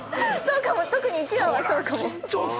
特に１話はそうかも！